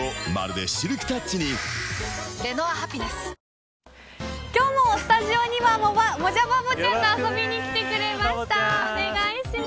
くらもん今日もスタジオにはもじゃバボちゃんが遊びに来てくれました。